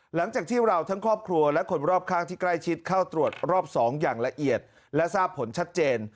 หลังจากที่เราทั้งครอบครัวและคนรอบข้างที่ใกล้ชิดเข้าตรวจรอบ๒อย่างละเอียดและทราบผลชัดเจน